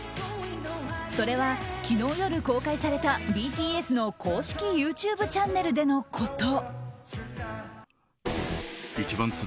それは、昨日夜公開されたＢＴＳの公式ＹｏｕＴｕｂｅチャンネルでのこと。